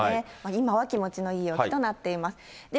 今は気持ちのいい陽気となっています。